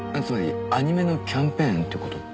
つまりアニメのキャンペーンって事？